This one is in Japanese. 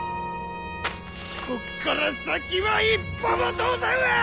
こっから先は一歩も通さんわ！